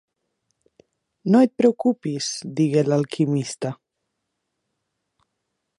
"No et preocupis", digué l'alquimista.